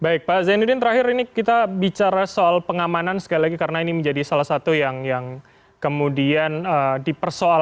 baik pak zainuddin terakhir ini kita bicara soal pengamanan sekali lagi karena ini menjadi salah satu yang kemudian dipersoalkan